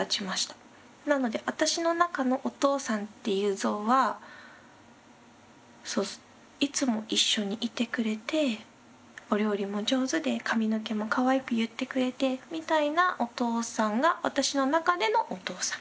なので私の中のお父さんっていう像はいつも一緒にいてくれてお料理も上手で髪の毛もかわいく結ってくれてみたいなお父さんが私の中でのお父さん。